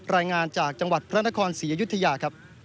รายงานจากจังหวัดพระนครศรีอยุธยาครับ